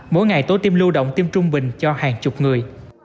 mỗi ngày tổ tiêm lưu động tiêm trung bình cho hàng chục người